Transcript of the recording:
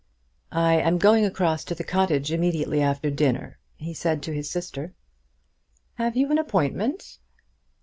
"I am going across to the cottage immediately after dinner," he said to his sister. "Have you an appointment?"